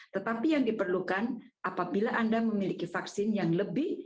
tetapi yang diperlukan apabila anda memiliki vaksin yang lebih